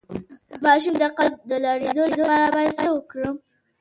د ماشوم د قد د لوړیدو لپاره باید څه ورکړم؟